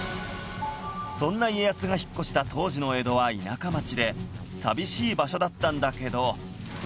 そんな家康が引っ越した当時の江戸は田舎町で寂しい場所だったんだけど